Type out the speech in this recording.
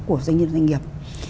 của doanh nhân doanh nghiệp